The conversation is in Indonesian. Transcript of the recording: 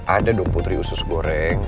ada dong putri usus goreng